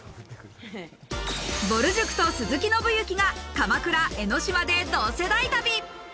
ぼる塾と鈴木伸之が鎌倉、江の島で同世代旅。